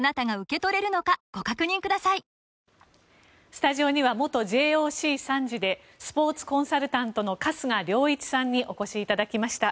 スタジオには元ＪＯＣ参事でスポーツコンサルタントの春日良一さんにお越しいただきました。